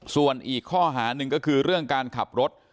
ส่วนอีกข้อหาหนึ่งก็คือเรื่องการขับรถ